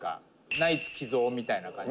「ナイツ寄贈みたいな感じで」